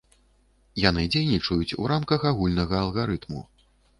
Яны дзейнічаюць у рамках агульнага алгарытму.